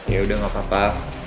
ya udah gak apa apa